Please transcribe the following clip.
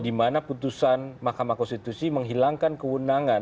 di mana putusan mahkamah konstitusi menghilangkan kewenangan